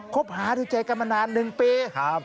คบหาดูใจกันมานาน๑ปี